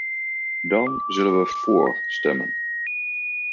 Dan zullen we vóór stemmen.